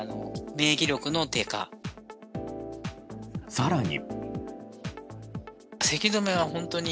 更に。